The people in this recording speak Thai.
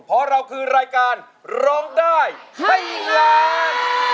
เพราะเราคือรายการร้องได้ให้ล้าน